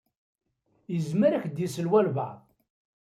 Izmer ad ak-d-isel walebɛaḍ.